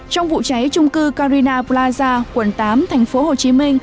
trong vụ cháy trung cư carina plaza quận tám tp hcm